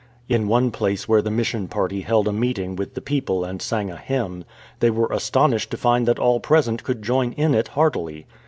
*" In one place where the Mission party held a meeting with the people and sang a hymn, they were astonished to find that all present could join in it heartily.